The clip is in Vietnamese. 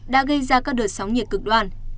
đã gây ra các đợt sóng nhiệt cực đoan